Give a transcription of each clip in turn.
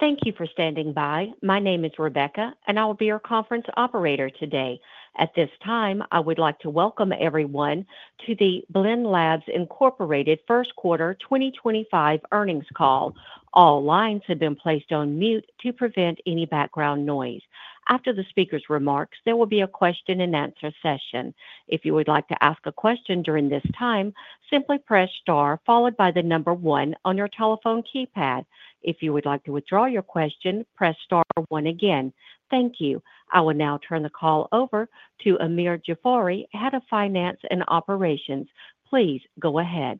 Thank you for standing by. My name is Rebecca, and I will be your conference operator today. At this time, I would like to welcome everyone to the Blend Labs Incorporated first quarter 2025 earnings call. All lines have been placed on mute to prevent any background noise. After the speaker's remarks, there will be a question-and-answer session. If you would like to ask a question during this time, simply press star followed by the number one on your telephone keypad. If you would like to withdraw your question, press star one again. Thank you. I will now turn the call over to Amir Jafari, Head of Finance and Operations. Please go ahead.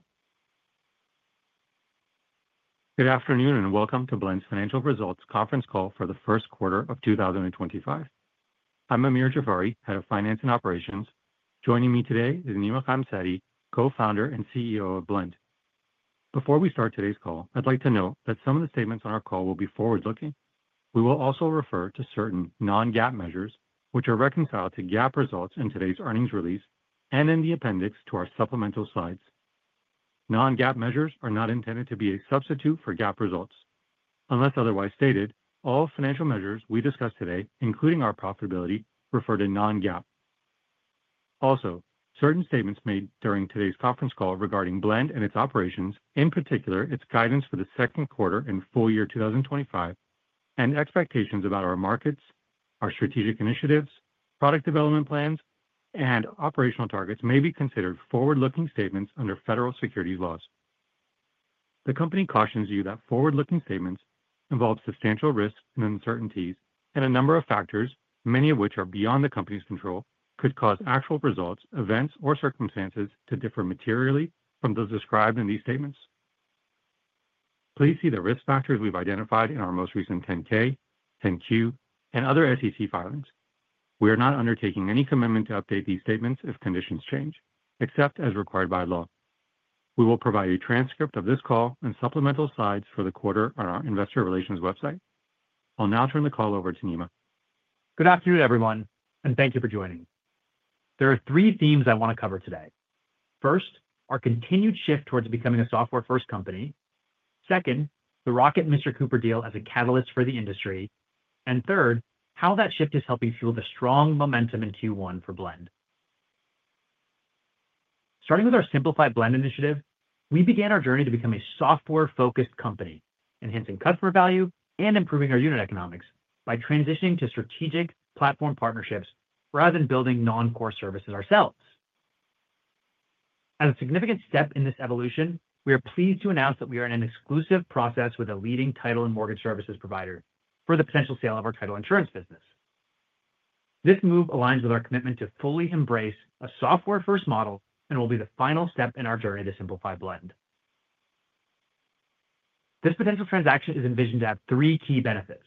Good afternoon and welcome to Blend's financial results conference call for the first quarter of 2025. I'm Amir Jafari, Head of Finance and Operations. Joining me today is Nima Ghamsari, co-founder and CEO of Blend. Before we start today's call, I'd like to note that some of the statements on our call will be forward-looking. We will also refer to certain non-GAAP measures, which are reconciled to GAAP results in today's earnings release and in the appendix to our supplemental slides. Non-GAAP measures are not intended to be a substitute for GAAP results. Unless otherwise stated, all financial measures we discuss today, including our profitability, refer to non-GAAP. Also, certain statements made during today's conference call regarding Blend and its operations, in particular its guidance for the second quarter and full year 2025, and expectations about our markets, our strategic initiatives, product development plans, and operational targets may be considered forward-looking statements under federal securities laws. The company cautions you that forward-looking statements involve substantial risks and uncertainties, and a number of factors, many of which are beyond the company's control, could cause actual results, events, or circumstances to differ materially from those described in these statements. Please see the risk factors we have identified in our most recent 10-K, 10-Q, and other SEC filings. We are not undertaking any commitment to update these statements if conditions change, except as required by law. We will provide a transcript of this call and supplemental slides for the quarter on our investor relations website. I'll now turn the call over to Nima. Good afternoon, everyone, and thank you for joining. There are three themes I want to cover today. First, our continued shift towards becoming a software-first company. Second, the Rocket Mr. Cooper deal as a catalyst for the industry. Third, how that shift is helping fuel the strong momentum in Q1 for Blend. Starting with our Simplify Blend initiative, we began our journey to become a software-focused company, enhancing customer value and improving our unit economics by transitioning to strategic platform partnerships rather than building non-core services ourselves. As a significant step in this evolution, we are pleased to announce that we are in an exclusive process with a leading title and mortgage services provider for the potential sale of our title insurance business. This move aligns with our commitment to fully embrace a software-first model and will be the final step in our journey to Simplify Blend. This potential transaction is envisioned to have three key benefits.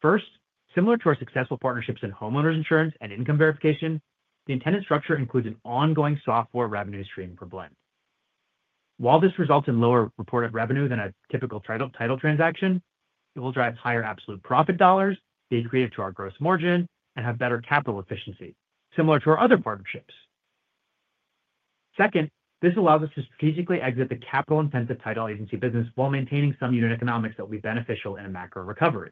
First, similar to our successful partnerships in homeowners insurance and income verification, the intended structure includes an ongoing software revenue stream for Blend. While this results in lower reported revenue than a typical title transaction, it will drive higher absolute profit dollars, be accretive to our gross margin, and have better capital efficiency, similar to our other partnerships. Second, this allows us to strategically exit the capital-intensive title agency business while maintaining some unit economics that will be beneficial in a macro recovery.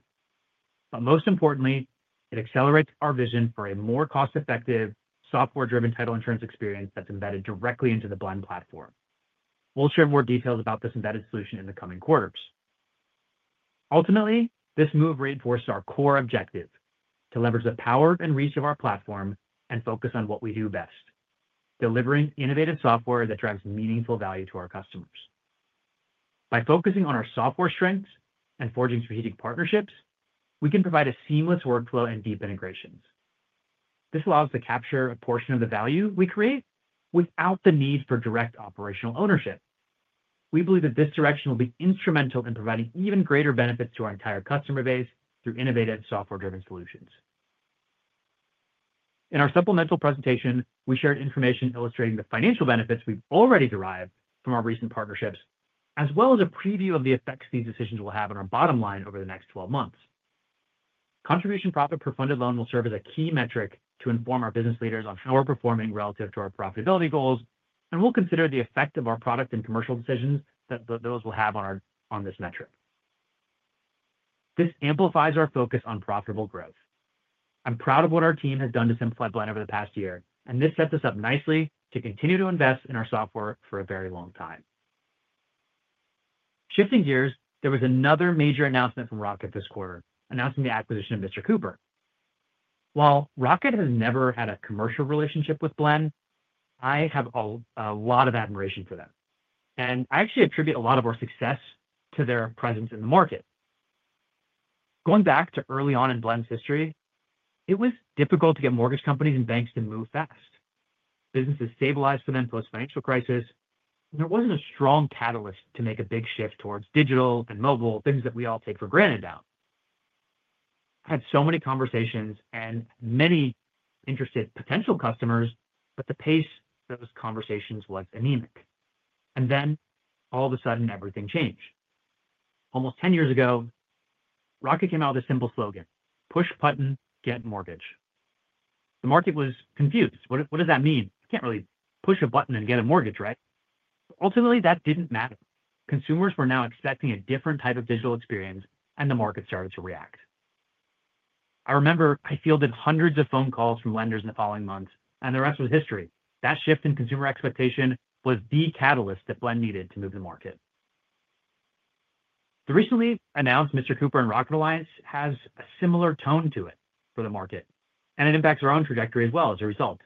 Most importantly, it accelerates our vision for a more cost-effective, software-driven title insurance experience that's embedded directly into the Blend Platform. We'll share more details about this embedded solution in the coming quarters. Ultimately, this move reinforces our core objective: to leverage the power and reach of our platform and focus on what we do best, delivering innovative software that drives meaningful value to our customers. By focusing on our software strengths and forging strategic partnerships, we can provide a seamless workflow and deep integrations. This allows us to capture a portion of the value we create without the need for direct operational ownership. We believe that this direction will be instrumental in providing even greater benefits to our entire customer base through innovative software-driven solutions. In our supplemental presentation, we shared information illustrating the financial benefits we've already derived from our recent partnerships, as well as a preview of the effects these decisions will have on our bottom line over the next 12 months. Contribution profit per funded loan will serve as a key metric to inform our business leaders on how we're performing relative to our profitability goals, and we'll consider the effect of our product and commercial decisions that those will have on this metric. This amplifies our focus on profitable growth. I'm proud of what our team has done to simplify Blend over the past year, and this sets us up nicely to continue to invest in our software for a very long time. Shifting gears, there was another major announcement from Rocket this quarter announcing the acquisition of Mr. Cooper. While Rocket has never had a commercial relationship with Blend, I have a lot of admiration for them, and I actually attribute a lot of our success to their presence in the market. Going back to early on in Blend's history, it was difficult to get mortgage companies and banks to move fast. Businesses stabilized for them post-financial crisis, and there was not a strong catalyst to make a big shift towards digital and mobile, things that we all take for granted now. I had so many conversations and many interested potential customers, but the pace of those conversations was anemic. All of a sudden, everything changed. Almost 10 years ago, Rocket came out with a simple slogan: "Push a button, get a mortgage." The market was confused. What does that mean? You cannot really push a button and get a mortgage, right? Ultimately, that did not matter. Consumers were now expecting a different type of digital experience, and the market started to react. I remember I fielded hundreds of phone calls from lenders in the following months, and the rest was history. That shift in consumer expectation was the catalyst that Blend needed to move the market. The recently announced Mr. Cooper and Rocket alliance has a similar tone to it for the market, and it impacts our own trajectory as well as a result.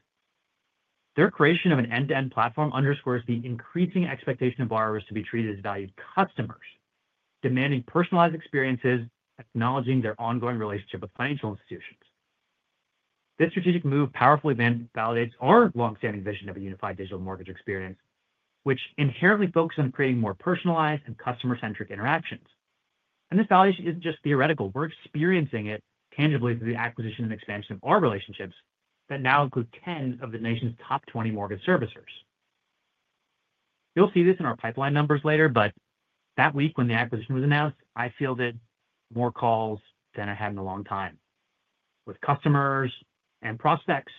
Their creation of an end-to-end platform underscores the increasing expectation of borrowers to be treated as valued customers, demanding personalized experiences, acknowledging their ongoing relationship with financial institutions. This strategic move powerfully validates our longstanding vision of a unified digital mortgage experience, which inherently focuses on creating more personalized and customer-centric interactions. This validation isn't just theoretical. We're experiencing it tangibly through the acquisition and expansion of our relationships that now include 10 of the nation's top 20 mortgage servicers. You'll see this in our pipeline numbers later, but that week when the acquisition was announced, I fielded more calls than I had in a long time with customers and prospects,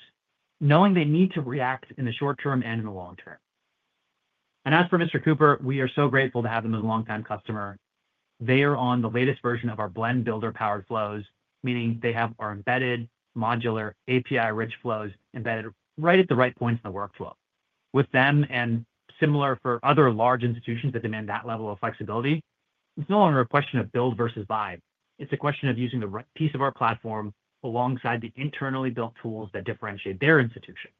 knowing they need to react in the short term and in the long term. As for Mr. Cooper, we are so grateful to have them as a longtime customer. They are on the latest version of our Blend Builder-powered flows, meaning they have our embedded modular API-rich flows embedded right at the right points in the workflow. With them and similar for other large institutions that demand that level of flexibility, it's no longer a question of build versus buy. It's a question of using the right piece of our platform alongside the internally built tools that differentiate their institution.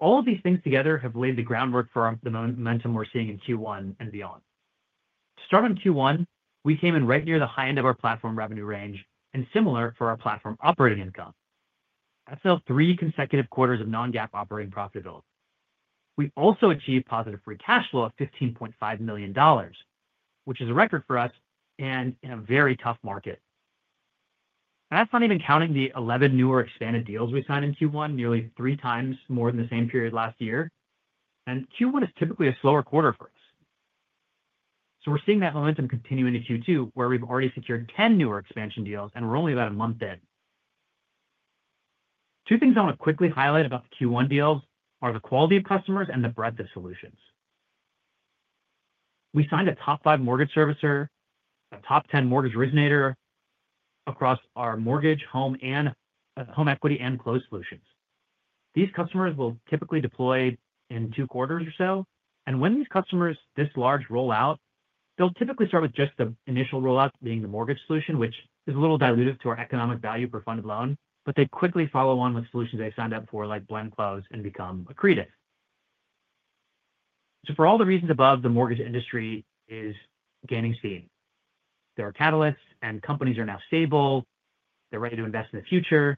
All of these things together have laid the groundwork for the momentum we are seeing in Q1 and beyond. To start on Q1, we came in right near the high end of our platform revenue range and similar for our platform operating income. That is now three consecutive quarters of non-GAAP operating profitability. We also achieved positive free cash flow of $15.5 million, which is a record for us and in a very tough market. That is not even counting the 11 new or expanded deals we signed in Q1, nearly three times more than the same period last year. Q1 is typically a slower quarter for us. We are seeing that momentum continue into Q2, where we have already secured 10 new or expansion deals, and we are only about a month in. Two things I want to quickly highlight about the Q1 deals are the quality of customers and the breadth of solutions. We signed a top five mortgage servicer, a top 10 mortgage resonator across our mortgage, home, and home equity and close solutions. These customers will typically deploy in two quarters or so. When these customers this large rollout, they'll typically start with just the initial rollout, being the mortgage solution, which is a little diluted to our economic value per funded loan, but they quickly follow on with solutions they signed up for, like Blend Close, and become accretive. For all the reasons above, the mortgage industry is gaining speed. There are catalysts, and companies are now stable. They're ready to invest in the future,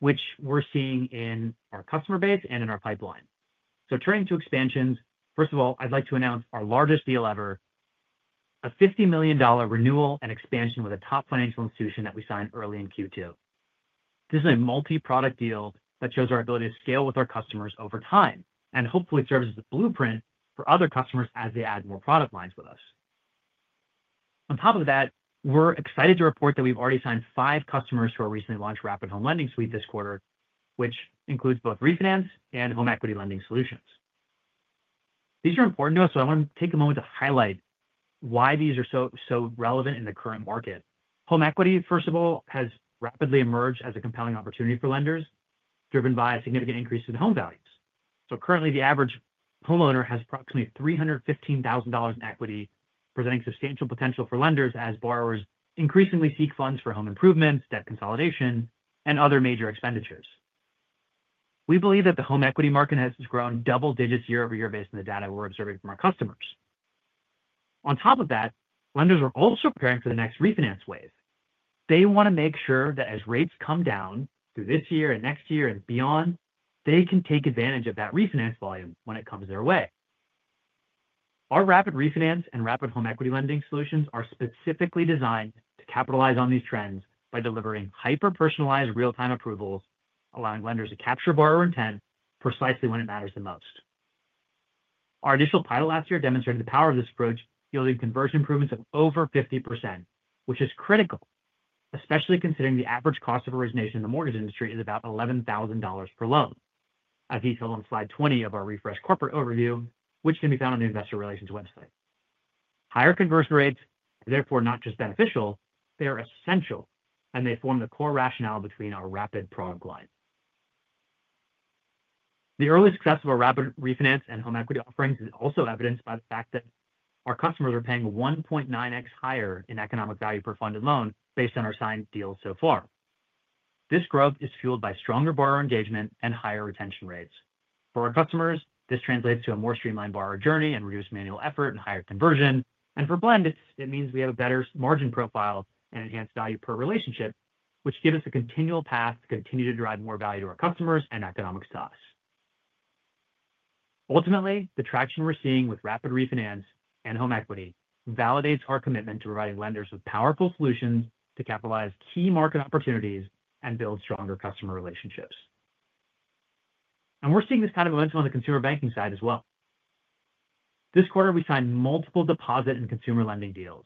which we're seeing in our customer base and in our pipeline. Turning to expansions, first of all, I'd like to announce our largest deal ever, a $50 million renewal and expansion with a top financial institution that we signed early in Q2. This is a multi-product deal that shows our ability to scale with our customers over time and hopefully serves as a blueprint for other customers as they add more product lines with us. On top of that, we're excited to report that we've already signed five customers to our recently launched Rapid Home Lending Suite this quarter, which includes both refinance and home equity lending solutions. These are important to us, so I want to take a moment to highlight why these are so relevant in the current market. Home equity, first of all, has rapidly emerged as a compelling opportunity for lenders, driven by a significant increase in home values. Currently, the average homeowner has approximately $315,000 in equity, presenting substantial potential for lenders as borrowers increasingly seek funds for home improvements, debt consolidation, and other major expenditures. We believe that the home equity market has grown double digits year over year based on the data we are observing from our customers. On top of that, lenders are also preparing for the next refinance wave. They want to make sure that as rates come down through this year and next year and beyond, they can take advantage of that refinance volume when it comes their way. Our Rapid Refinance and Rapid Home Equity Lending solutions are specifically designed to capitalize on these trends by delivering hyper-personalized real-time approvals, allowing lenders to capture borrower intent precisely when it matters the most. Our initial pilot last year demonstrated the power of this approach, yielding conversion improvements of over 50%, which is critical, especially considering the average cost of origination in the mortgage industry is about $11,000 per loan, as detailed on slide 20 of our Refresh Corporate overview, which can be found on the Investor Relations website. Higher conversion rates are therefore not just beneficial, they are essential, and they form the core rationale behind our Rapid product line. The early success of our Rapid Refinance and Home Equity offerings is also evidenced by the fact that our customers are paying 1.9x higher in economic value per funded loan based on our signed deals so far. This growth is fueled by stronger borrower engagement and higher retention rates. For our customers, this translates to a more streamlined borrower journey and reduced manual effort and higher conversion. For Blend, it means we have a better margin profile and enhanced value per relationship, which gives us a continual path to continue to drive more value to our customers and economics to us. Ultimately, the traction we're seeing with Rapid Refinance and Home Equity validates our commitment to providing lenders with powerful solutions to capitalize key market opportunities and build stronger customer relationships. We're seeing this kind of momentum on the consumer banking side as well. This quarter, we signed multiple deposit and consumer lending deals.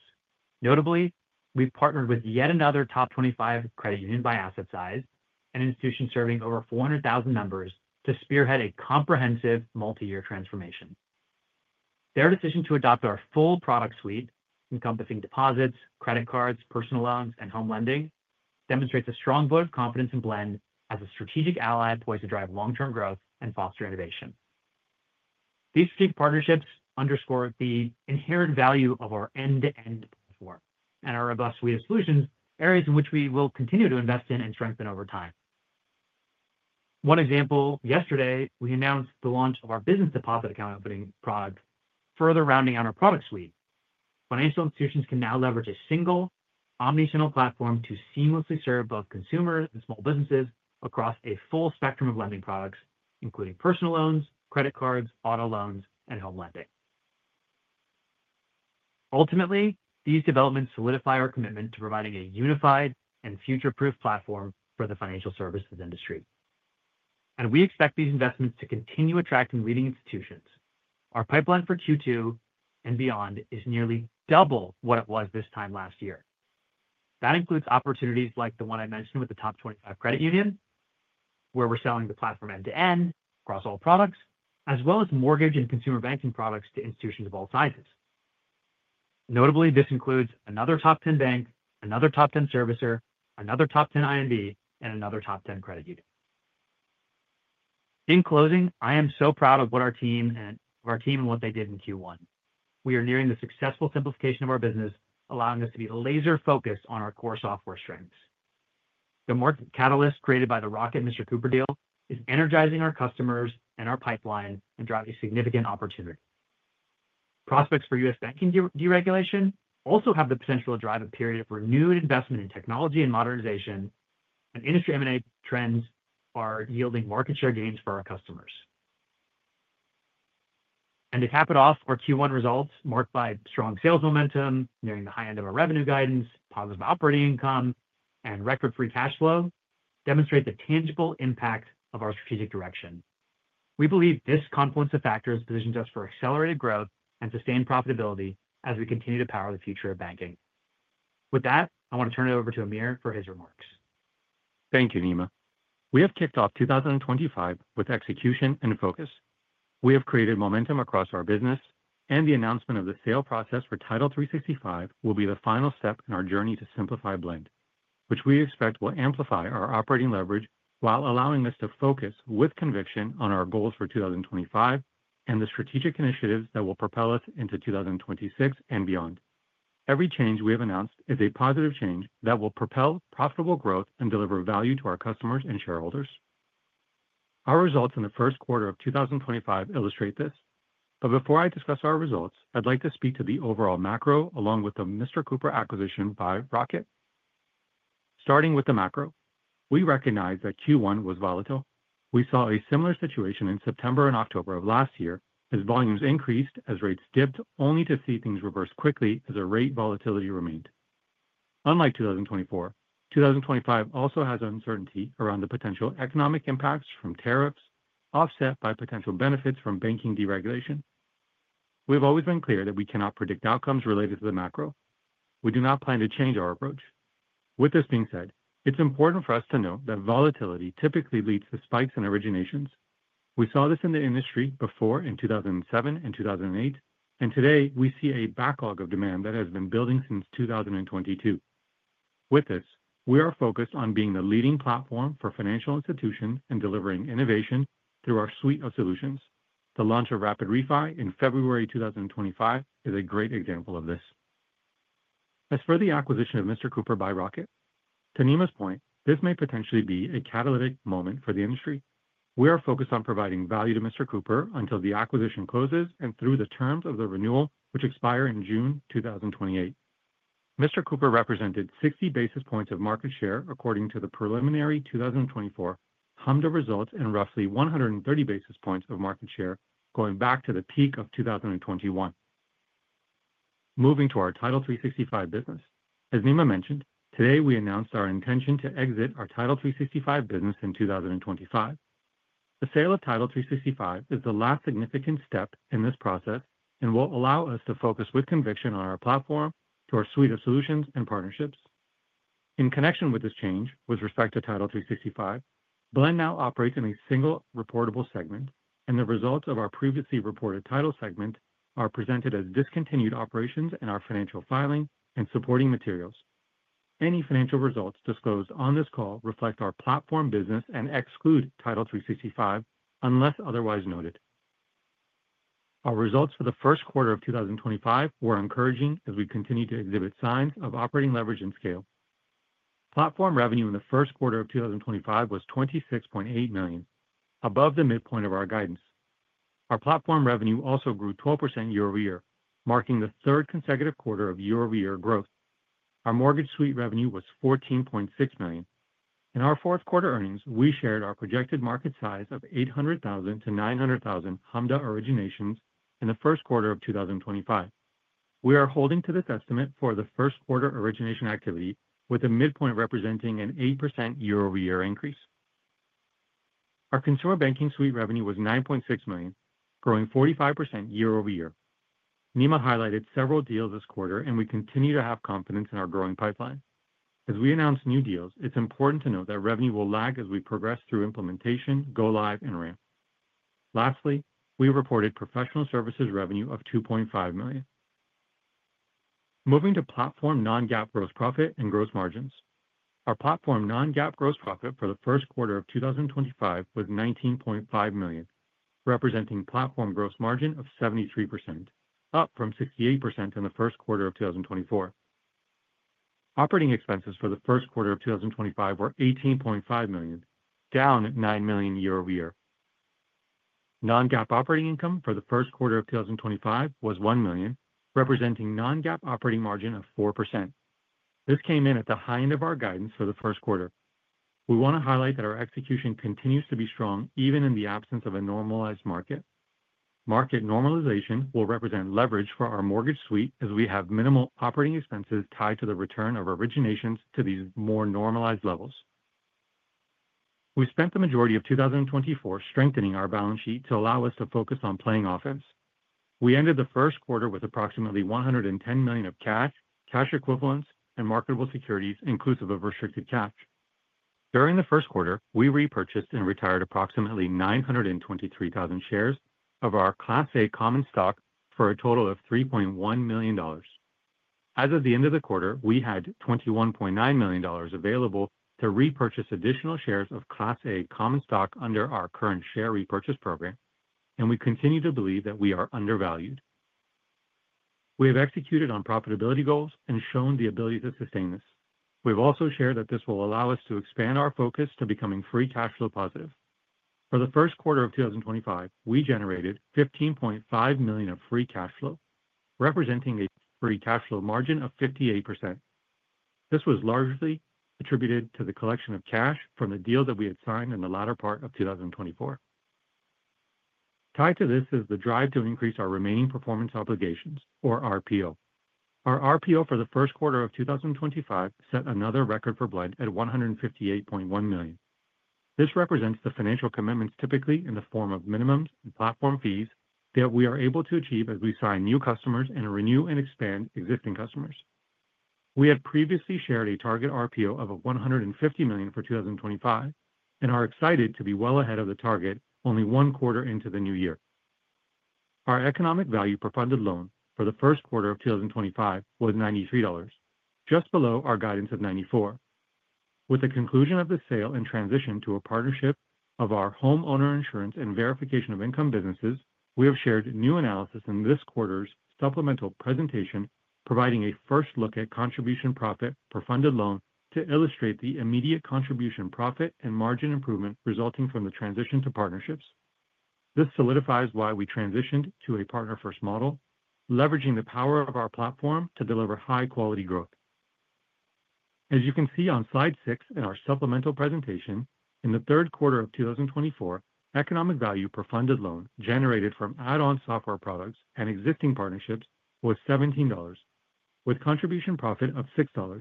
Notably, we've partnered with yet another top 25 credit union by asset size, an institution serving over 400,000 members, to spearhead a comprehensive multi-year transformation. Their decision to adopt our full product suite, encompassing deposits, credit cards, personal loans, and home lending, demonstrates a strong vote of confidence in Blend as a strategic ally poised to drive long-term growth and foster innovation. These strategic partnerships underscore the inherent value of our end-to-end platform and our robust suite of solutions, areas in which we will continue to invest in and strengthen over time. One example, yesterday, we announced the launch of our Business Deposit Account Opening product, further rounding out our product suite. Financial institutions can now leverage a single omnichannel platform to seamlessly serve both consumers and small businesses across a full spectrum of lending products, including personal loans, credit cards, auto loans, and home lending. Ultimately, these developments solidify our commitment to providing a unified and future-proof platform for the financial services industry. We expect these investments to continue attracting leading institutions. Our pipeline for Q2 and beyond is nearly double what it was this time last year. That includes opportunities like the one I mentioned with the top 25 credit union, where we're selling the platform end-to-end across all products, as well as mortgage and consumer banking products to institutions of all sizes. Notably, this includes another top 10 bank, another top 10 servicer, another top 10 INV, and another top 10 credit union. In closing, I am so proud of what our team and what they did in Q1. We are nearing the successful simplification of our business, allowing us to be laser-focused on our core software strengths. The market catalyst created by the Rocket and Mr. Cooper deal is energizing our customers and our pipeline and driving a significant opportunity. Prospects for U.S. Banking deregulation also have the potential to drive a period of renewed investment in technology and modernization, and industry M&A trends are yielding market share gains for our customers. To cap it off, our Q1 results, marked by strong sales momentum, nearing the high end of our revenue guidance, positive operating income, and record free cash flow, demonstrate the tangible impact of our strategic direction. We believe this confluence of factors positions us for accelerated growth and sustained profitability as we continue to power the future of banking. With that, I want to turn it over to Amir for his remarks. Thank you, Nima. We have kicked off 2025 with execution and focus. We have created momentum across our business, and the announcement of the sale process for Title 365 will be the final step in our journey to Simplify Blend, which we expect will amplify our operating leverage while allowing us to focus with conviction on our goals for 2025 and the strategic initiatives that will propel us into 2026 and beyond. Every change we have announced is a positive change that will propel profitable growth and deliver value to our customers and shareholders. Our results in the first quarter of 2025 illustrate this. Before I discuss our results, I'd like to speak to the overall macro along with the Mr. Cooper acquisition by Rocket. Starting with the macro, we recognize that Q1 was volatile. We saw a similar situation in September and October of last year as volumes increased as rates dipped only to see things reverse quickly as the rate volatility remained. Unlike 2024, 2025 also has uncertainty around the potential economic impacts from tariffs offset by potential benefits from banking deregulation. We have always been clear that we cannot predict outcomes related to the macro. We do not plan to change our approach. With this being said, it's important for us to note that volatility typically leads to spikes in originations. We saw this in the industry before in 2007 and 2008, and today we see a backlog of demand that has been building since 2022. With this, we are focused on being the leading platform for financial institutions and delivering innovation through our suite of solutions. The launch of Rapid Refi in February 2025 is a great example of this. As for the acquisition of Mr. Cooper by Rocket, to Nima's point, this may potentially be a catalytic moment for the industry. We are focused on providing value to Mr. Cooper until the acquisition closes and through the terms of the renewal, which expire in June 2028. Mr. Cooper represented 60 basis points of market share according to the preliminary 2024 HMDA results and roughly 130 basis points of market share going back to the peak of 2021. Moving to our Title 365 business, as Nima mentioned, today we announced our intention to exit our Title 365 business in 2025. The sale of Title 365 is the last significant step in this process and will allow us to focus with conviction on our platform through our suite of solutions and partnerships. In connection with this change with respect to Title 365, Blend now operates in a single reportable segment, and the results of our previously reported title segment are presented as discontinued operations in our financial filing and supporting materials. Any financial results disclosed on this call reflect our platform business and exclude Title 365 unless otherwise noted. Our results for the first quarter of 2025 were encouraging as we continue to exhibit signs of operating leverage and scale. Platform revenue in the first quarter of 2025 was $26.8 million, above the midpoint of our guidance. Our platform revenue also grew 12% year over year, marking the third consecutive quarter of year-over-year growth. Our Mortgage Suite revenue was $14.6 million. In our fourth quarter earnings, we shared our projected market size of $800,000-$900,000 HMDA originations in the first quarter of 2025. We are holding to this estimate for the first quarter origination activity, with the midpoint representing an 8% year-over-year increase. Our Consumer Banking Products suite revenue was $9.6 million, growing 45% year-over-year. Nima highlighted several deals this quarter, and we continue to have confidence in our growing pipeline. As we announce new deals, it's important to note that revenue will lag as we progress through implementation, go-live, and ramp. Lastly, we reported Professional Services revenue of $2.5 million. Moving to platform non-GAAP gross profit and gross margins. Our platform non-GAAP gross profit for the first quarter of 2025 was $19.5 million, representing platform gross margin of 73%, up from 68% in the first quarter of 2024. Operating expenses for the first quarter of 2025 were $18.5 million, down $9 million year-over-year. Non-GAAP operating income for the first quarter of 2025 was $1 million, representing non-GAAP operating margin of 4%. This came in at the high end of our guidance for the first quarter. We want to highlight that our execution continues to be strong even in the absence of a normalized market. Market normalization will represent leverage for our Mortgage Suite as we have minimal operating expenses tied to the return of originations to these more normalized levels. We spent the majority of 2024 strengthening our balance sheet to allow us to focus on playing offense. We ended the first quarter with approximately $110 million of cash, cash equivalents, and marketable securities, inclusive of restricted cash. During the first quarter, we repurchased and retired approximately 923,000 shares of our Class A common stock for a total of $3.1 million. As of the end of the quarter, we had $21.9 million available to repurchase additional shares of Class A common stock under our current share repurchase program, and we continue to believe that we are undervalued. We have executed on profitability goals and shown the ability to sustain this. We have also shared that this will allow us to expand our focus to becoming free cash flow positive. For the first quarter of 2025, we generated $15.5 million of free cash flow, representing a free cash flow margin of 58%. This was largely attributed to the collection of cash from the deal that we had signed in the latter part of 2024. Tied to this is the drive to increase our remaining performance obligations, or RPO. Our RPO for the first quarter of 2025 set another record for Blend at $158.1 million. This represents the financial commitments typically in the form of minimums and platform fees that we are able to achieve as we sign new customers and renew and expand existing customers. We had previously shared a target RPO of $150 million for 2025 and are excited to be well ahead of the target only one quarter into the new year. Our economic value per funded loan for the first quarter of 2025 was $93, just below our guidance of $94. With the conclusion of the sale and transition to a partnership of our homeowner insurance and verification of income businesses, we have shared new analysis in this quarter's supplemental presentation, providing a first look at contribution profit per funded loan to illustrate the immediate contribution profit and margin improvement resulting from the transition to partnerships. This solidifies why we transitioned to a partner-first model, leveraging the power of our platform to deliver high-quality growth. As you can see on slide 6 in our supplemental presentation, in the third quarter of 2024, economic value per funded loan generated from add-on software products and existing partnerships was $17, with contribution profit of $6.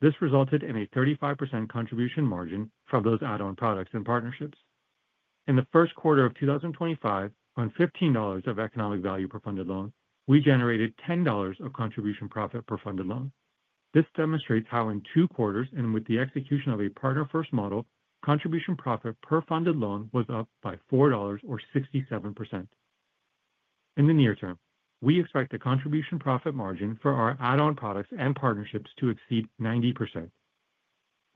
This resulted in a 35% contribution margin from those add-on products and partnerships. In the first quarter of 2025, on $15 of economic value per funded loan, we generated $10 of contribution profit per funded loan. This demonstrates how in two quarters and with the execution of a partner-first model, contribution profit per funded loan was up by $4 or 67%. In the near term, we expect the contribution profit margin for our add-on products and partnerships to exceed 90%.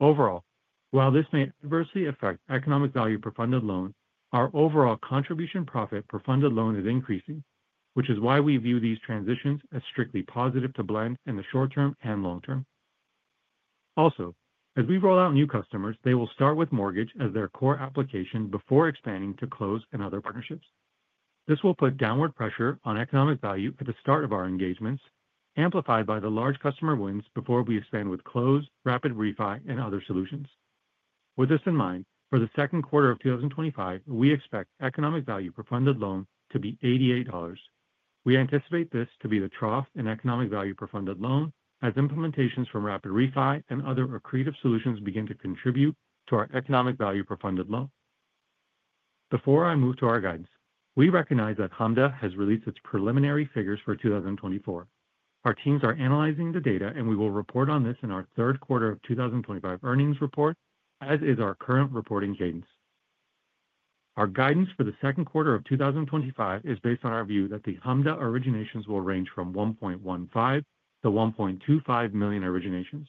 Overall, while this may adversely affect economic value per funded loan, our overall contribution profit per funded loan is increasing, which is why we view these transitions as strictly positive to Blend in the short term and long term. Also, as we roll out new customers, they will start with mortgage as their core application before expanding to Close and other partnerships. This will put downward pressure on economic value at the start of our engagements, amplified by the large customer wins before we expand with Close, Rapid Refi, and other solutions. With this in mind, for the second quarter of 2025, we expect economic value per funded loan to be $88. We anticipate this to be the trough in economic value per funded loan as implementations from Rapid Refi and other accretive solutions begin to contribute to our economic value per funded loan. Before I move to our guidance, we recognize that HMDA has released its preliminary figures for 2024. Our teams are analyzing the data, and we will report on this in our third quarter of 2025 earnings report, as is our current reporting cadence. Our guidance for the second quarter of 2025 is based on our view that the HMDA originations will range from $1.15 million-$1.25 million originations.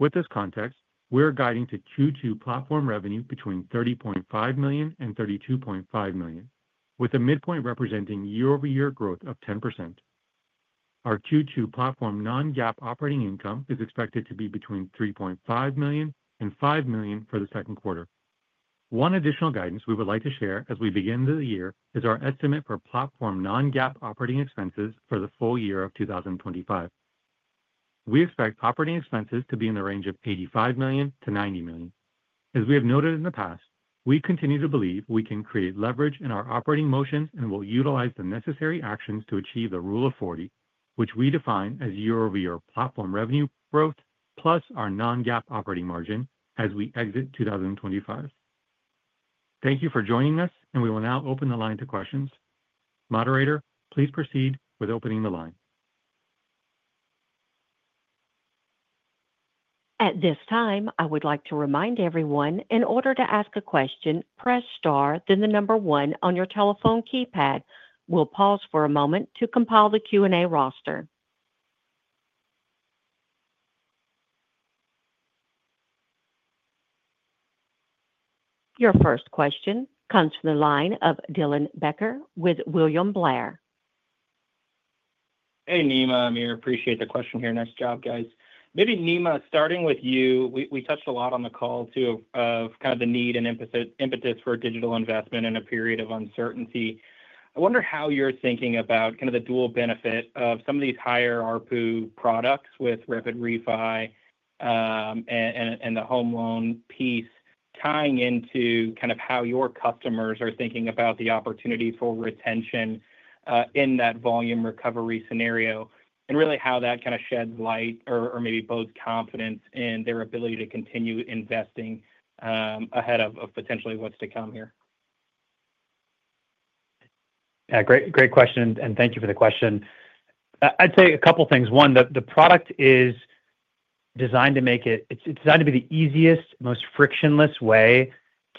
With this context, we are guiding to Q2 platform revenue between $30.5 million-$32.5 million, with the midpoint representing year-over-year growth of 10%. Our Q2 platform non-GAAP operating income is expected to be between $3.5 million-$5 million for the second quarter. One additional guidance we would like to share as we begin the year is our estimate for platform non-GAAP operating expenses for the full year of 2025. We expect operating expenses to be in the range of $85 million-$90 million. As we have noted in the past, we continue to believe we can create leverage in our operating motions and will utilize the necessary actions to achieve the rule of 40, which we define as year-over-year platform revenue growth plus our non-GAAP operating margin as we exit 2025. Thank you for joining us, and we will now open the line to questions. Moderator, please proceed with opening the line. At this time, I would like to remind everyone, in order to ask a question, press star, then the number one on your telephone keypad. We'll pause for a moment to compile the Q&A roster. Your first question comes from the line of Dylan Becker with William Blair. Hey, Nima. I appreciate the question here. Nice job, guys. Maybe, Nima, starting with you, we touched a lot on the call too of kind of the need and impetus for digital investment in a period of uncertainty. I wonder how you're thinking about kind of the dual benefit of some of these higher RPU products with Rapid Refi and the home loan piece tying into kind of how your customers are thinking about the opportunity for retention in that volume recovery scenario and really how that kind of sheds light or maybe bodes confidence in their ability to continue investing ahead of potentially what's to come here. Yeah, great question, and thank you for the question. I'd say a couple of things. One, the product is designed to make it—it's designed to be the easiest, most frictionless way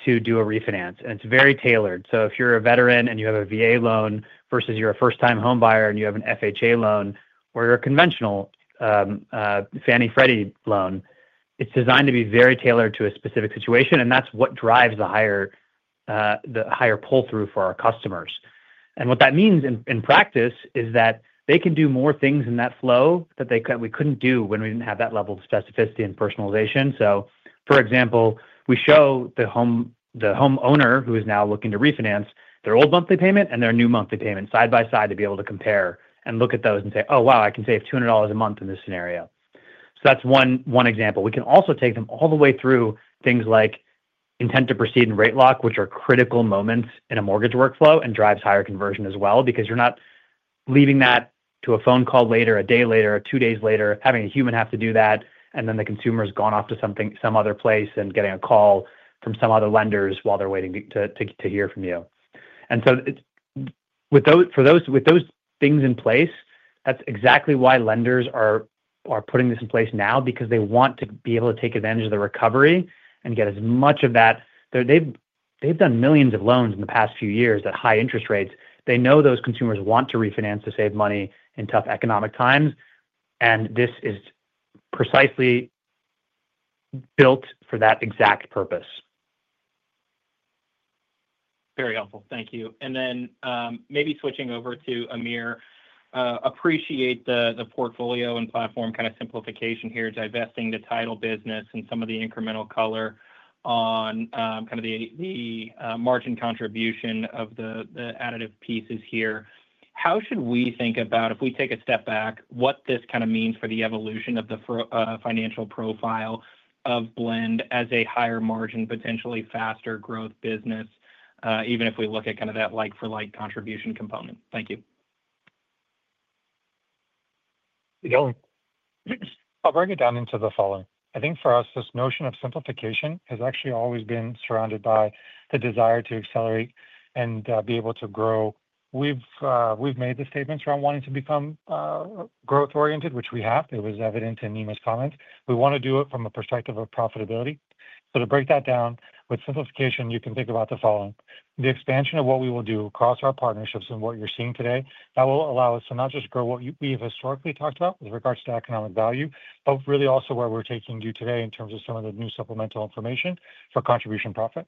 to do a refinance, and it's very tailored. If you're a veteran and you have a VA loan versus you're a first-time home buyer and you have an FHA loan or you're a conventional Fannie Freddie loan, it's designed to be very tailored to a specific situation, and that's what drives the higher pull-through for our customers. What that means in practice is that they can do more things in that flow that we couldn't do when we didn't have that level of specificity and personalization. For example, we show the homeowner who is now looking to refinance their old monthly payment and their new monthly payment side by side to be able to compare and look at those and say, "Oh, wow, I can save $200 a month in this scenario." That's one example. We can also take them all the way through things like intent to proceed and rate lock, which are critical moments in a mortgage workflow and drive higher conversion as well because you're not leaving that to a phone call later, a day later, two days later, having a human have to do that, and then the consumer has gone off to some other place and getting a call from some other lenders while they're waiting to hear from you. For those things in place, that's exactly why lenders are putting this in place now because they want to be able to take advantage of the recovery and get as much of that. They've done millions of loans in the past few years at high interest rates. They know those consumers want to refinance to save money in tough economic times, and this is precisely built for that exact purpose. Very helpful. Thank you. Maybe switching over to Amir, appreciate the portfolio and platform kind of simplification here, divesting the title business and some of the incremental color on kind of the margin contribution of the additive pieces here. How should we think about, if we take a step back, what this kind of means for the evolution of the financial profile of Blend as a higher margin, potentially faster growth business, even if we look at kind of that like-for-like contribution component? Thank you. You're going. I'll break it down into the following. I think for us, this notion of simplification has actually always been surrounded by the desire to accelerate and be able to grow. We've made the statements around wanting to become growth-oriented, which we have. It was evident in Nima's comments. We want to do it from a perspective of profitability. To break that down, with simplification, you can think about the following: the expansion of what we will do across our partnerships and what you're seeing today, that will allow us to not just grow what we have historically talked about with regards to economic value, but really also where we're taking you today in terms of some of the new supplemental information for contribution profit.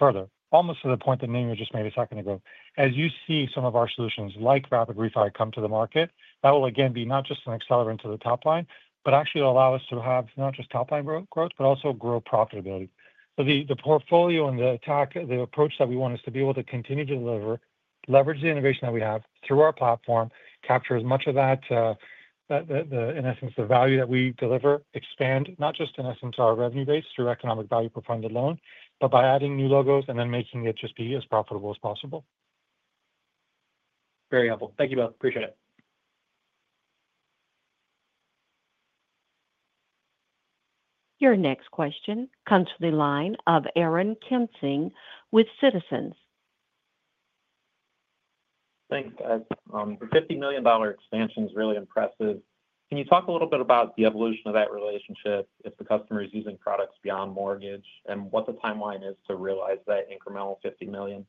Further, almost to the point that Nima just made a second ago, as you see some of our solutions like Rapid Refi come to the market, that will again be not just an accelerant to the top line, but actually will allow us to have not just top-line growth, but also grow profitability. The portfolio and the approach that we want is to be able to continue to deliver, leverage the innovation that we have through our platform, capture as much of that, in essence, the value that we deliver, expand, not just in essence our revenue base through economic value per funded loan, but by adding new logos and then making it just be as profitable as possible. Very helpful. Thank you both. Appreciate it. Your next question comes from the line of Aaron Kimson with Citizens. Thanks. The $50 million expansion is really impressive. Can you talk a little bit about the evolution of that relationship if the customer is using products beyond mortgage and what the timeline is to realize that incremental $50 million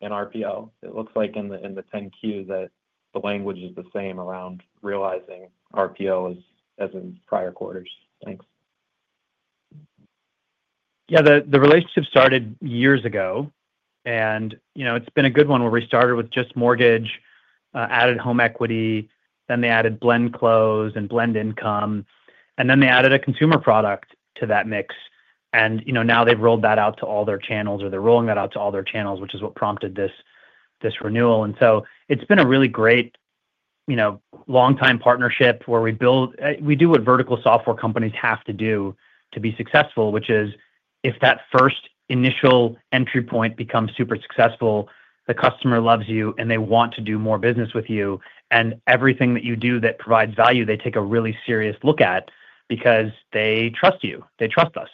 in RPO? It looks like in the 10Q that the language is the same around realizing RPO as in prior quarters. Thanks. Yeah, the relationship started years ago, and it's been a good one where we started with just mortgage, added home equity, then they added Blend Close and Blend Income, and then they added a consumer product to that mix. Now they've rolled that out to all their channels, or they're rolling that out to all their channels, which is what prompted this renewal. It's been a really great long-time partnership where we do what vertical software companies have to do to be successful, which is if that first initial entry point becomes super successful, the customer loves you and they want to do more business with you. Everything that you do that provides value, they take a really serious look at because they trust you. They trust us.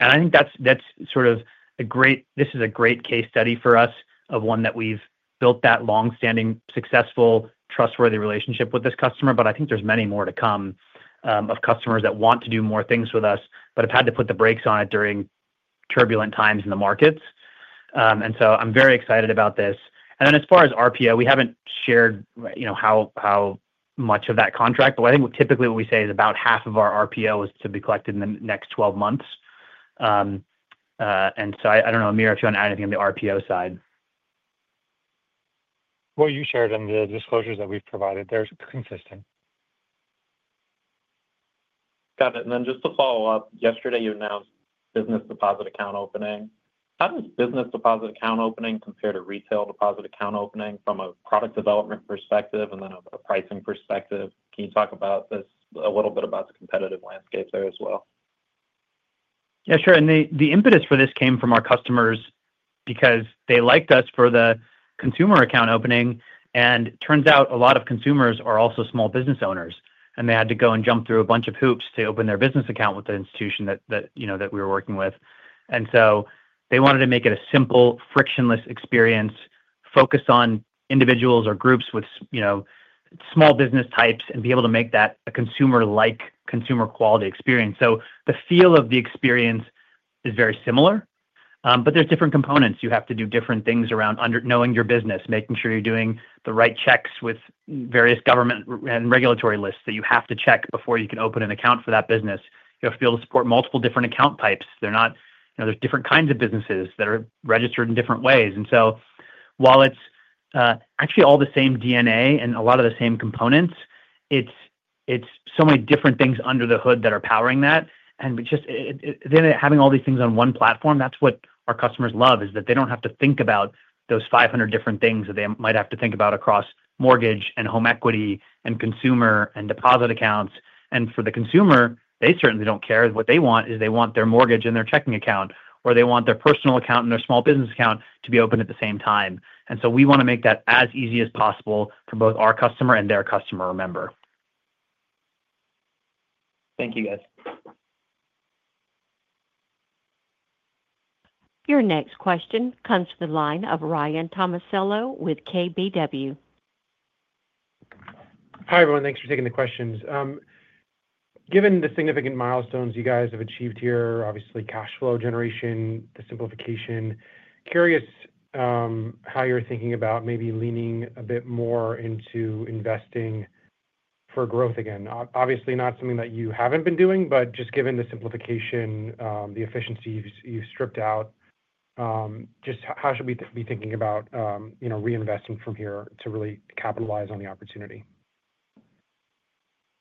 I think that's sort of a great—this is a great case study for us of one that we've built that long-standing, successful, trustworthy relationship with this customer. I think there's many more to come of customers that want to do more things with us but have had to put the brakes on it during turbulent times in the markets. I am very excited about this. As far as RPO, we haven't shared how much of that contract, but I think typically what we say is about half of our RPO is to be collected in the next 12 months. I don't know, Amir, if you want to add anything on the RPO side. What you shared in the disclosures that we've provided, they're consistent. Got it. Just to follow up, yesterday you announced business deposit account opening. How does business deposit account opening compare to retail deposit account opening from a product development perspective and then a pricing perspective? Can you talk about this a little bit about the competitive landscape there as well? Yeah, sure. The impetus for this came from our customers because they liked us for the consumer account opening. It turns out a lot of consumers are also small business owners, and they had to go and jump through a bunch of hoops to open their business account with the institution that we were working with. They wanted to make it a simple, frictionless experience focused on individuals or groups with small business types and be able to make that a consumer-like consumer quality experience. The feel of the experience is very similar, but there are different components. You have to do different things around knowing your business, making sure you're doing the right checks with various government and regulatory lists that you have to check before you can open an account for that business. You have to be able to support multiple different account types. There are different kinds of businesses that are registered in different ways. While it's actually all the same DNA and a lot of the same components, it's so many different things under the hood that are powering that. Having all these things on one platform, that's what our customers love, is that they do not have to think about those 500 different things that they might have to think about across mortgage and home equity and consumer and deposit accounts. For the consumer, they certainly do not care. What they want is they want their mortgage and their checking account, or they want their personal account and their small business account to be open at the same time. We want to make that as easy as possible for both our customer and their customer, remember. Thank you, guys. Your next question comes from the line of Ryan Tomasello with KBW. Hi, everyone. Thanks for taking the questions. Given the significant milestones you guys have achieved here, obviously cash flow generation, the simplification, curious how you're thinking about maybe leaning a bit more into investing for growth again. Obviously, not something that you haven't been doing, but just given the simplification, the efficiency you've stripped out, just how should we be thinking about reinvesting from here to really capitalize on the opportunity?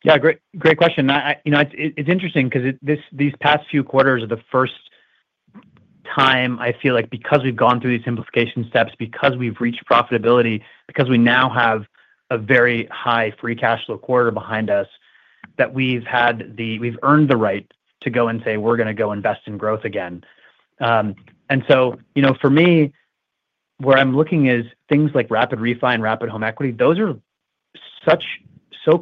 Yeah, great question. It's interesting because these past few quarters are the first time I feel like because we've gone through these simplification steps, because we've reached profitability, because we now have a very high free cash flow quarter behind us, that we've earned the right to go and say, "We're going to go invest in growth again." For me, where I'm looking is things like Rapid Refi and Rapid Home Equity. Those are such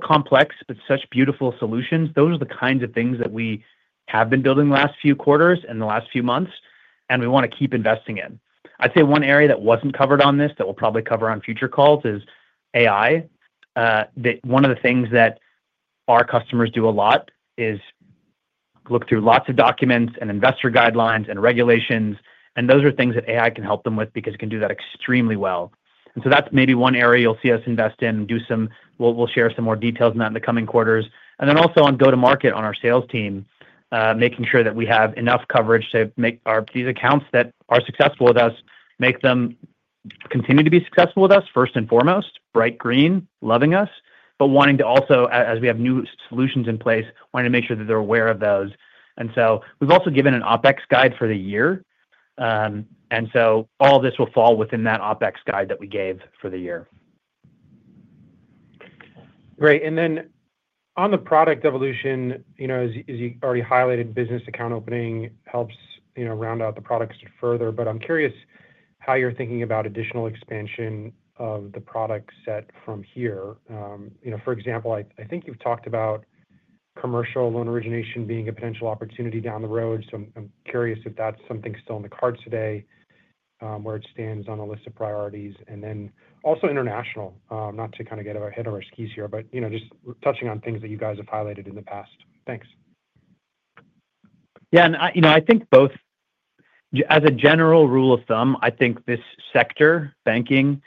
complex, but such beautiful solutions. Those are the kinds of things that we have been building the last few quarters and the last few months, and we want to keep investing in. I'd say one area that wasn't covered on this that we'll probably cover on future calls is AI. One of the things that our customers do a lot is look through lots of documents and investor guidelines and regulations. Those are things that AI can help them with because it can do that extremely well. That is maybe one area you'll see us invest in and do some—we'll share some more details on that in the coming quarters. Also, on go-to-market on our sales team, making sure that we have enough coverage to make these accounts that are successful with us continue to be successful with us, first and foremost, bright green, loving us, but wanting to also, as we have new solutions in place, make sure that they're aware of those. We have also given an OpEx guide for the year. All this will fall within that OpEx guide that we gave for the year. Great. On the product evolution, as you already highlighted, business account opening helps round out the products further. I'm curious how you're thinking about additional expansion of the product set from here. For example, I think you've talked about commercial loan origination being a potential opportunity down the road. I'm curious if that's something still on the cards today, where it stands on a list of priorities, and then also international, not to kind of get ahead of our skis here, but just touching on things that you guys have highlighted in the past. Thanks. Yeah. I think both, as a general rule of thumb, I think this sector, banking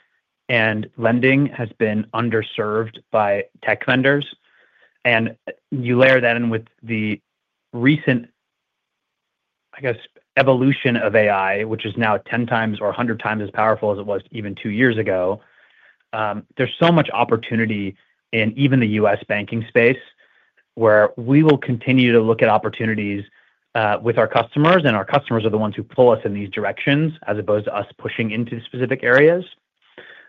and lending, has been underserved by tech vendors. You layer that in with the recent, I guess, evolution of AI, which is now 10 times or 100 times as powerful as it was even two years ago. There's so much opportunity in even the U.S. banking space where we will continue to look at opportunities with our customers, and our customers are the ones who pull us in these directions as opposed to us pushing into specific areas.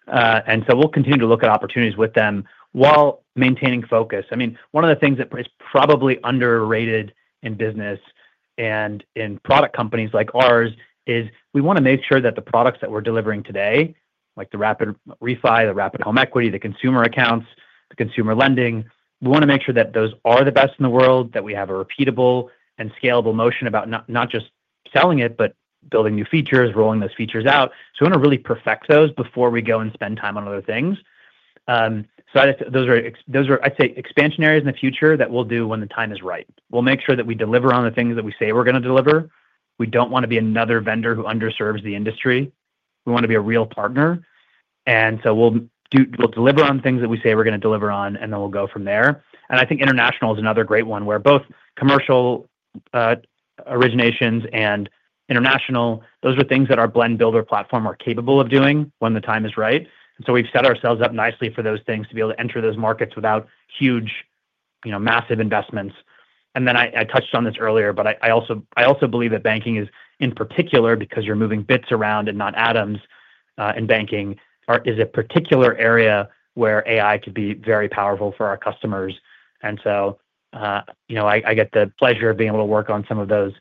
We will continue to look at opportunities with them while maintaining focus. I mean, one of the things that is probably underrated in business and in product companies like ours is we want to make sure that the products that we're delivering today, like the Rapid Refi, the Rapid Home Equity, the consumer accounts, the consumer lending, we want to make sure that those are the best in the world, that we have a repeatable and scalable motion about not just selling it, but building new features, rolling those features out. We want to really perfect those before we go and spend time on other things. Those are, I'd say, expansion areas in the future that we'll do when the time is right. We'll make sure that we deliver on the things that we say we're going to deliver. We don't want to be another vendor who underserves the industry. We want to be a real partner. We'll deliver on things that we say we're going to deliver on, and then we'll go from there. I think international is another great one where both commercial originations and international, those are things that our Blend Builder platform are capable of doing when the time is right. We've set ourselves up nicely for those things to be able to enter those markets without huge, massive investments. I touched on this earlier, but I also believe that banking is, in particular, because you're moving bits around and not atoms in banking, is a particular area where AI could be very powerful for our customers. I get the pleasure of being able to work on some of those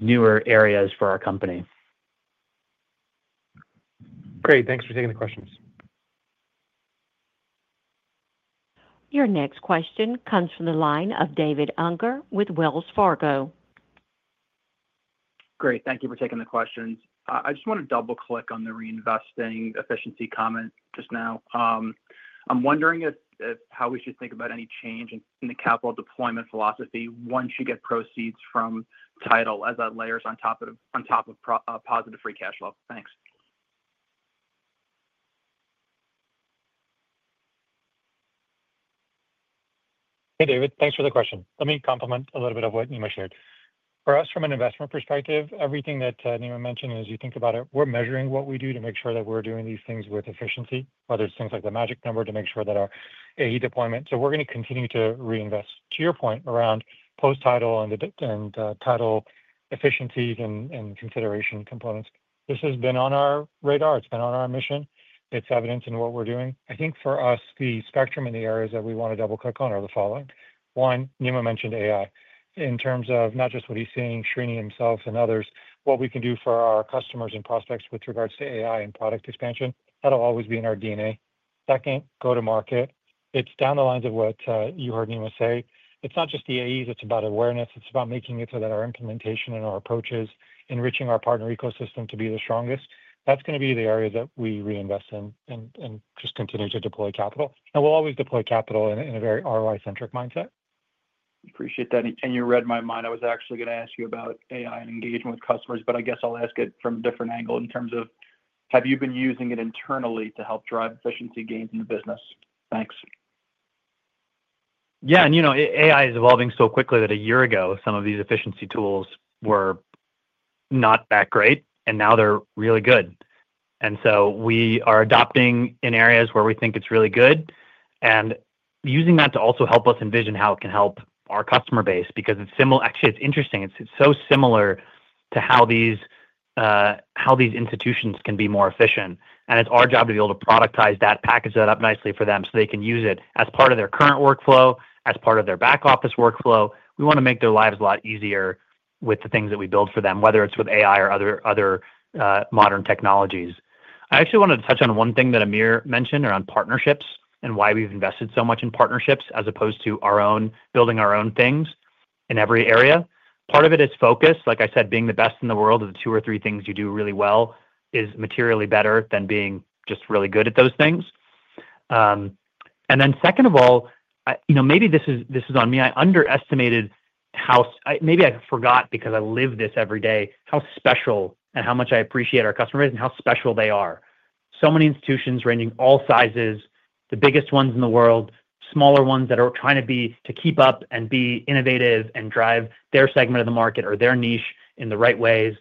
newer areas for our company. Great. Thanks for taking the questions. Your next question comes from the line of David Unger with Wells Fargo. Great. Thank you for taking the questions. I just want to double-click on the reinvesting efficiency comment just now. I'm wondering how we should think about any change in the capital deployment philosophy once you get proceeds from title as layers on top of positive free cash flow. Thanks. Hey, David. Thanks for the question. Let me complement a little bit of what Nima shared. For us, from an investment perspective, everything that Nima mentioned as you think about it, we're measuring what we do to make sure that we're doing these things with efficiency, whether it's things like the magic number to make sure that our AE deployment—so we're going to continue to reinvest. To your point around post-title and title efficiencies and consideration components, this has been on our radar. It's been on our mission. It's evidence in what we're doing. I think for us, the spectrum and the areas that we want to double-click on are the following. One, Nima mentioned AI. In terms of not just what he's seeing, Shrini himself and others, what we can do for our customers and prospects with regards to AI and product expansion, that'll always be in our DNA. Second, go-to-market. It's down the lines of what you heard Nima say. It's not just the AEs. It's about awareness. It's about making it so that our implementation and our approaches enrich our partner ecosystem to be the strongest. That is going to be the area that we reinvest in and just continue to deploy capital. We will always deploy capital in a very ROI-centric mindset. Appreciate that. You read my mind. I was actually going to ask you about AI and engaging with customers, but I guess I'll ask it from a different angle in terms of, have you been using it internally to help drive efficiency gains in the business? Thanks. Yeah. AI is evolving so quickly that a year ago, some of these efficiency tools were not that great, and now they're really good. We are adopting in areas where we think it's really good and using that to also help us envision how it can help our customer base because it's interesting. It's so similar to how these institutions can be more efficient. It's our job to be able to productize that, package that up nicely for them so they can use it as part of their current workflow, as part of their back office workflow. We want to make their lives a lot easier with the things that we build for them, whether it's with AI or other modern technologies. I actually wanted to touch on one thing that Amir mentioned around partnerships and why we've invested so much in partnerships as opposed to building our own things in every area. Part of it is focus. Like I said, being the best in the world at the two or three things you do really well is materially better than being just really good at those things. Second of all, maybe this is on me. I underestimated how—maybe I forgot because I live this every day—how special and how much I appreciate our customer base and how special they are. So many institutions ranging all sizes, the biggest ones in the world, smaller ones that are trying to keep up and be innovative and drive their segment of the market or their niche in the right ways.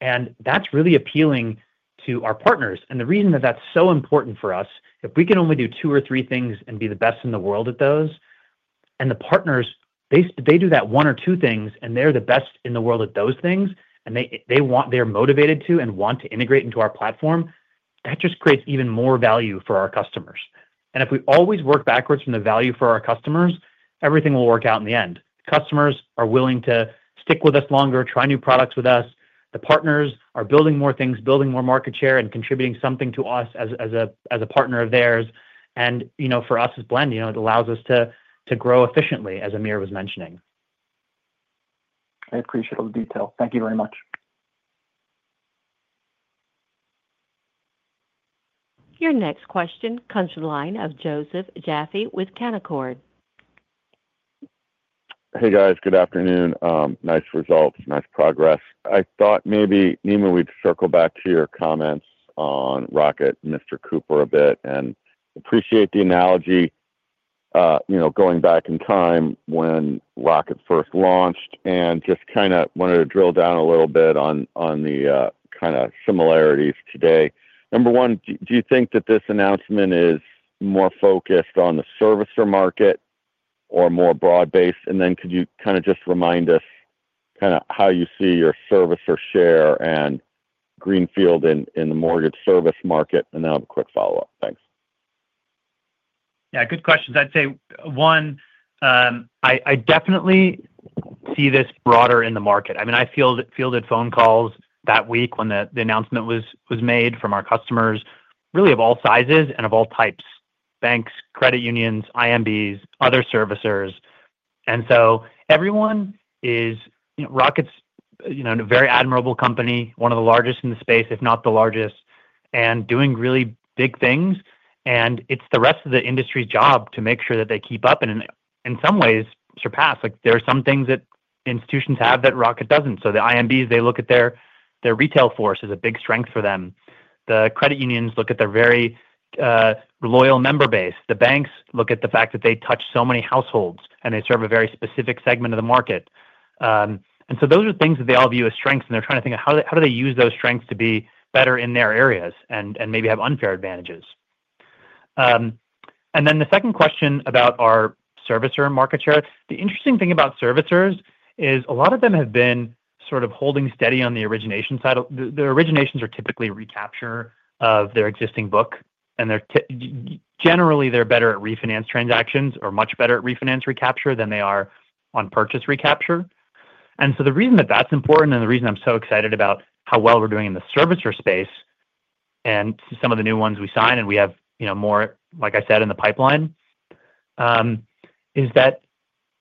That is really appealing to our partners. The reason that that's so important for us, if we can only do two or three things and be the best in the world at those, and the partners, they do that one or two things and they're the best in the world at those things, and they're motivated to and want to integrate into our platform, that just creates even more value for our customers. If we always work backwards from the value for our customers, everything will work out in the end. Customers are willing to stick with us longer, try new products with us. The partners are building more things, building more market share, and contributing something to us as a partner of theirs. For us as Blend, it allows us to grow efficiently, as Amir was mentioning. I appreciate all the detail. Thank you very much. Your next question comes from the line of Joseph Jaffe with Canaccord. Hey, guys. Good afternoon. Nice results. Nice progress. I thought maybe Nima, we'd circle back to your comments on Rocket and Mr. Cooper a bit. I appreciate the analogy going back in time when Rocket first launched and just kind of wanted to drill down a little bit on the kind of similarities today. Number one, do you think that this announcement is more focused on the servicer market or more broad-based? Could you kind of just remind us how you see your servicer share and Greenfield in the mortgage service market? I'll have a quick follow-up. Thanks. Yeah. Good questions. I'd say, one, I definitely see this broader in the market. I mean, I fielded phone calls that week when the announcement was made from our customers, really of all sizes and of all types: banks, credit unions, IMBs, other servicers. Everyone is—Rocket is a very admirable company, one of the largest in the space, if not the largest, and doing really big things. It is the rest of the industry's job to make sure that they keep up and in some ways surpass. There are some things that institutions have that Rocket does not. The IMBs look at their retail force as a big strength for them. The credit unions look at their very loyal member base. The banks look at the fact that they touch so many households and they serve a very specific segment of the market. Those are things that they all view as strengths. They are trying to think of how do they use those strengths to be better in their areas and maybe have unfair advantages. The second question about our servicer market share, the interesting thing about servicers is a lot of them have been sort of holding steady on the origination side. The originations are typically recapture of their existing book. Generally, they are better at refinance transactions or much better at refinance recapture than they are on purchase recapture. The reason that that is important and the reason I am so excited about how well we are doing in the servicer space and some of the new ones we sign and we have more, like I said, in the pipeline is that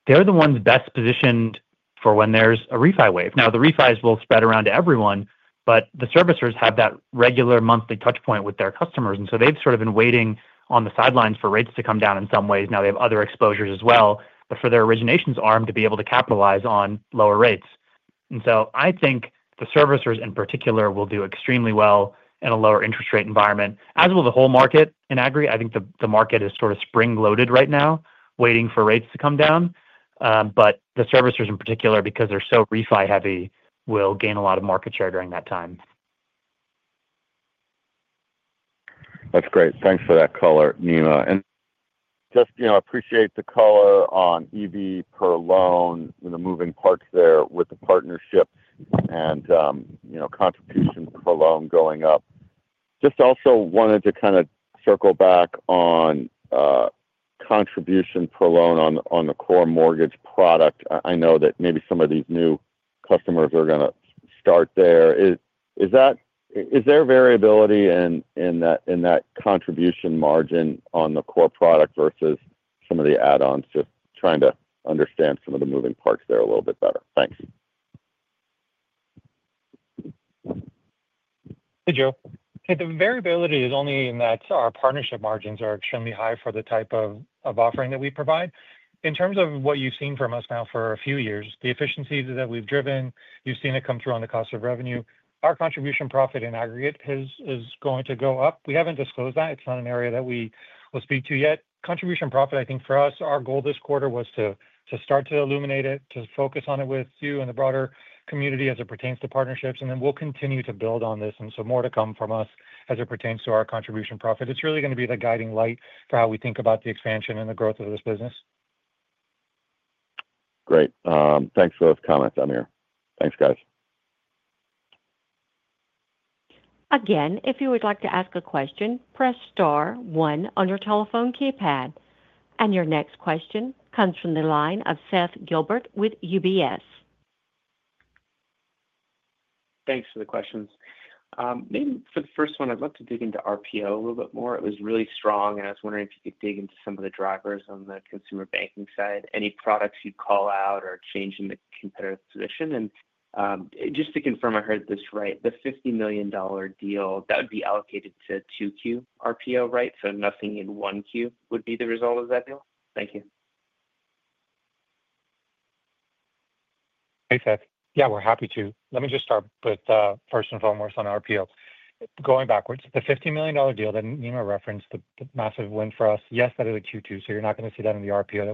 they are the ones best positioned for when there is a refi wave. Now, the refis will spread around to everyone, but the servicers have that regular monthly touchpoint with their customers. They have sort of been waiting on the sidelines for rates to come down in some ways. They have other exposures as well, but for their originations arm to be able to capitalize on lower rates. I think the servicers in particular will do extremely well in a lower interest rate environment, as will the whole market in aggregate. I think the market is sort of spring-loaded right now, waiting for rates to come down. The servicers in particular, because they are so refi-heavy, will gain a lot of market share during that time. That's great. Thanks for that color, Nima. I just appreciate the color on EV per loan, the moving parts there with the partnership and contribution per loan going up. Just also wanted to kind of circle back on contribution per loan on the core mortgage product. I know that maybe some of these new customers are going to start there. Is there variability in that contribution margin on the core product versus some of the add-ons? Just trying to understand some of the moving parts there a little bit better. Thanks. Hey, Joe. The variability is only in that our partnership margins are extremely high for the type of offering that we provide. In terms of what you've seen from us now for a few years, the efficiencies that we've driven, you've seen it come through on the cost of revenue. Our contribution profit in aggregate is going to go up. We haven't disclosed that. It's not an area that we will speak to yet. Contribution profit, I think for us, our goal this quarter was to start to illuminate it, to focus on it with you and the broader community as it pertains to partnerships. We will continue to build on this. More to come from us as it pertains to our contribution profit. It is really going to be the guiding light for how we think about the expansion and the growth of this business. Great. Thanks for those comments, Amir. Thanks, guys. Again, if you would like to ask a question, press star one on your telephone keypad. Your next question comes from the line of Seth Gilbert with UBS. Thanks for the questions. Maybe for the first one, I would love to dig into RPO a little bit more. It was really strong, and I was wondering if you could dig into some of the drivers on the consumer banking side, any products you'd call out or change in the competitive position. And just to confirm, I heard this right, the $50 million deal, that would be allocated to 2Q RPO, right? So nothing in 1Q would be the result of that deal? Thank you. Hey, Seth. Yeah, we're happy to. Let me just start with first and foremost on RPO. Going backwards, the $50 million deal that Nima referenced, the massive win for us, yes, that is a Q2. So you're not going to see that in the RPO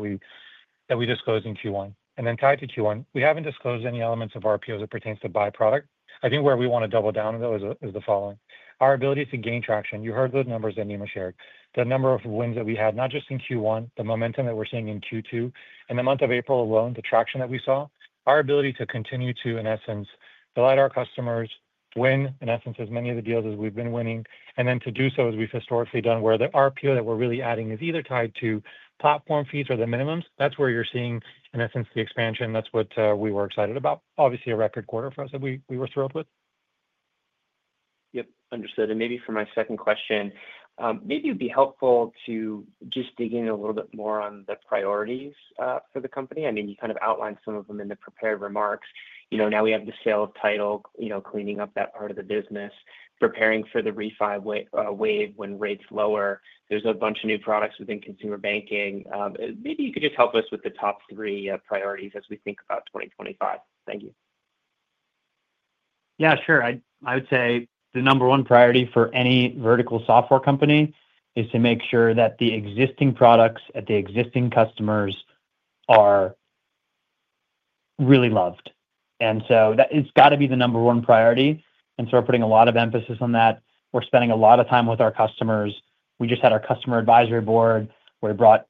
that we disclose in Q1. And then tied to Q1, we haven't disclosed any elements of RPO that pertains to byproduct. I think where we want to double down on those is the following. Our ability to gain traction, you heard the numbers that Nima shared, the number of wins that we had, not just in Q1, the momentum that we're seeing in Q2, and the month of April alone, the traction that we saw, our ability to continue to, in essence, delight our customers, win, in essence, as many of the deals as we've been winning, and then to do so as we've historically done, where the RPO that we're really adding is either tied to platform fees or the minimums, that's where you're seeing, in essence, the expansion. That's what we were excited about. Obviously, a record quarter for us that we were thrilled with. Yep. Understood. Maybe for my second question, maybe it would be helpful to just dig in a little bit more on the priorities for the company. I mean, you kind of outlined some of them in the prepared remarks. Now we have the sale of title, cleaning up that part of the business, preparing for the refi wave when rates lower. There is a bunch of new products within consumer banking. Maybe you could just help us with the top three priorities as we think about 2025. Thank you. Yeah, sure. I would say the number one priority for any vertical software company is to make sure that the existing products at the existing customers are really loved. It has got to be the number one priority. We are putting a lot of emphasis on that. We are spending a lot of time with our customers. We just had our customer advisory board where we brought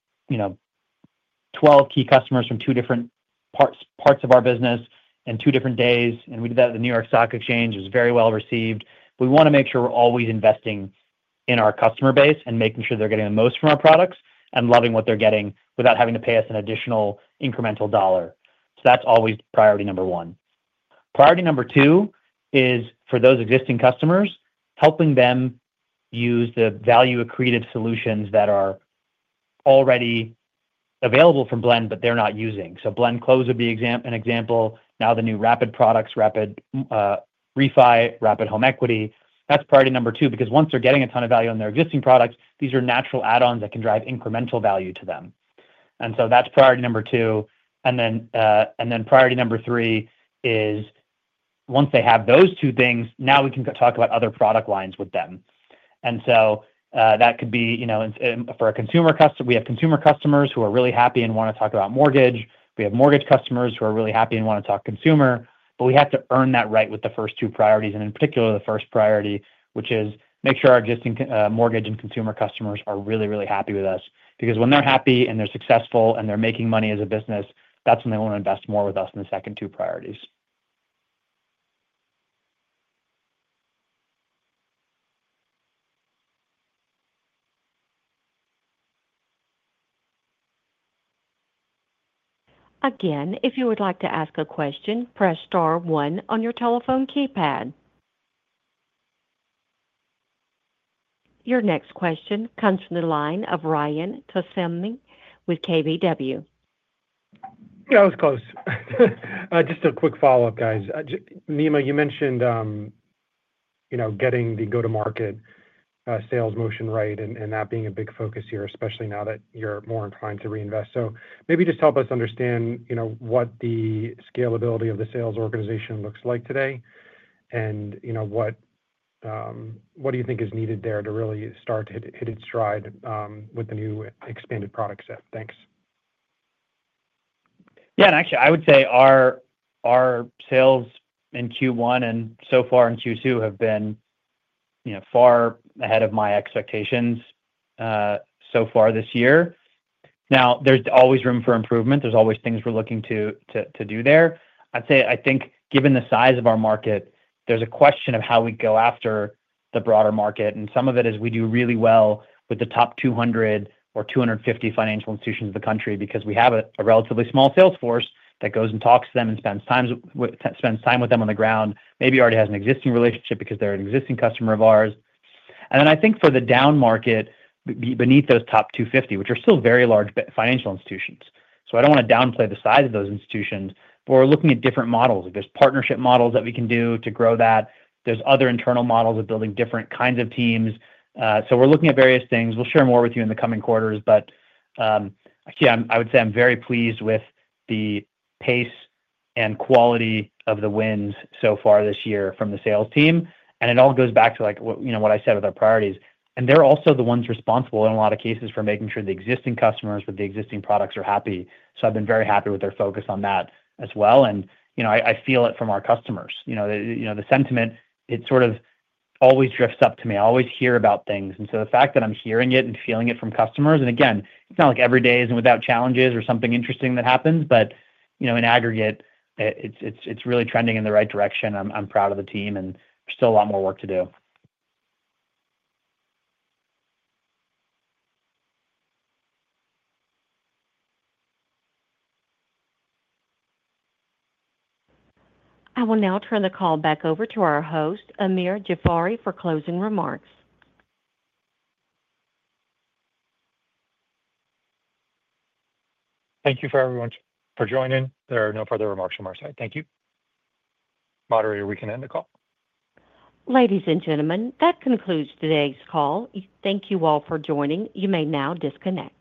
12 key customers from two different parts of our business in two different days. We did that at the New York Stock Exchange. It was very well received. We want to make sure we're always investing in our customer base and making sure they're getting the most from our products and loving what they're getting without having to pay us an additional incremental dollar. That's always priority number one. Priority number two is for those existing customers, helping them use the value-accretive solutions that are already available from Blend, but they're not using. Blend Close would be an example. Now the new Rapid Products, Rapid Refi, Rapid Home Equity. That's priority number two because once they're getting a ton of value on their existing products, these are natural add-ons that can drive incremental value to them. That's priority number two. Priority number three is once they have those two things, now we can talk about other product lines with them. That could be for a consumer customer. We have consumer customers who are really happy and want to talk about mortgage. We have mortgage customers who are really happy and want to talk consumer. We have to earn that right with the first two priorities, and in particular, the first priority, which is make sure our existing mortgage and consumer customers are really, really happy with us. Because when they're happy and they're successful and they're making money as a business, that's when they want to invest more with us in the second two priorities. Again, if you would like to ask a question, press star one on your telephone keypad. Your next question comes from the line of Ryan Tomasello with KBW. Yeah, I was close. Just a quick follow-up, guys. Nima, you mentioned getting the go-to-market sales motion right and that being a big focus here, especially now that you're more inclined to reinvest. Maybe just help us understand what the scalability of the sales organization looks like today and what you think is needed there to really start to hit its stride with the new expanded product set? Thanks. Yeah. Actually, I would say our sales in Q1 and so far in Q2 have been far ahead of my expectations so far this year. Now, there's always room for improvement. There's always things we're looking to do there. I'd say I think given the size of our market, there's a question of how we go after the broader market. We do really well with the top 200 or 250 financial institutions of the country because we have a relatively small salesforce that goes and talks to them and spends time with them on the ground, maybe already has an existing relationship because they are an existing customer of ours. I think for the down market beneath those top 250, which are still very large financial institutions, I do not want to downplay the size of those institutions, but we are looking at different models. There are partnership models that we can do to grow that. There are other internal models of building different kinds of teams. We are looking at various things. We will share more with you in the coming quarters. I would say I am very pleased with the pace and quality of the wins so far this year from the sales team. It all goes back to what I said with our priorities. They are also the ones responsible in a lot of cases for making sure the existing customers with the existing products are happy. I have been very happy with their focus on that as well. I feel it from our customers. The sentiment, it sort of always drifts up to me. I always hear about things. The fact that I am hearing it and feeling it from customers, and again, it is not like every day is without challenges or something interesting that happens, but in aggregate, it is really trending in the right direction. I am proud of the team, and there is still a lot more work to do. I will now turn the call back over to our host, Amir Jafari, for closing remarks. Thank you everyone for joining. There are no further remarks from our side. Thank you. Moderator, we can end the call. Ladies and gentlemen, that concludes today's call. Thank you all for joining. You may now disconnect.